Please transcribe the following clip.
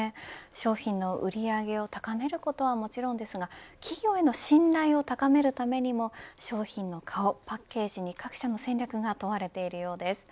商品の売り上げを高めることはもちろんですが企業への信頼を高めるためにも商品の顔、パッケージに各社の戦略が問われているようです。